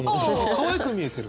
かわいく見えてる？